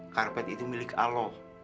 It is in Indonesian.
karpet itu milik allah